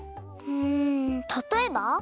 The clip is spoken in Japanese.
うんたとえば？